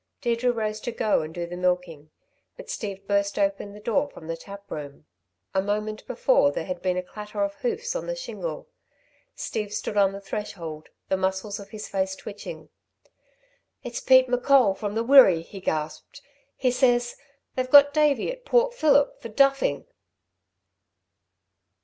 Deirdre rose to go and do the milking, but Steve burst open the door from the tap room. A moment before there had been a clatter of hoofs on the shingle. Steve stood on the threshold, the muscles of his face twitching. "It's Pete M'Coll from the Wirree," he gasped. "He says they've got Davey at Port Phillip for duffing!"